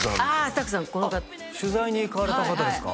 ＴＡＫＵさんこの方取材に行かれた方ですか